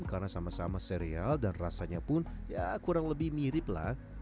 karena sama sama sereal dan rasanya pun kurang lebih mirip lah